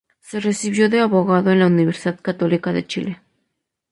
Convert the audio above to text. Se recibió de abogado en la Universidad Católica de Chile.